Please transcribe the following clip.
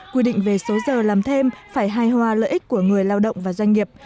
quy định về số giờ làm thêm phải hài hòa lợi ích của người lao động và doanh nghiệp